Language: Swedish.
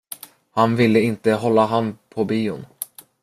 Han ville inte hålla hand på bion.